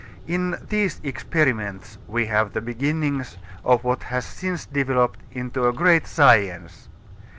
In these experiments we have the beginnings of what has since developed into a great science.